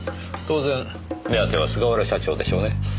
当然目当ては菅原社長でしょうね。